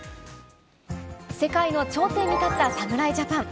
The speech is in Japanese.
世界の頂点に立った侍ジャパン。